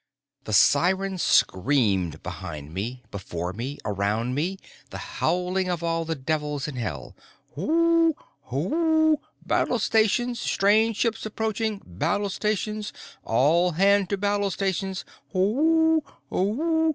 The siren screamed behind me, before me, around me, the howling of all the devils in hell _Hoo! hoo! Battle stations! Strange ships approaching! Battle stations! All hands to battle stations! Hoo oo!